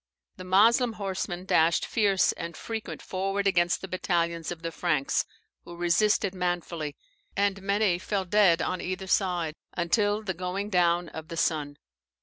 The Moslem horseman dashed fierce and frequent forward against the battalions of the Franks, who resisted manfully, and many fell dead on either side, until the going down of the sun.